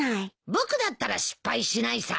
僕だったら失敗しないさ。